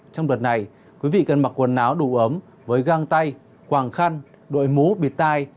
trong đợt này quý vị cần mặc quần áo đủ ấm với găng tay quạng khăn đội mũ bịt tai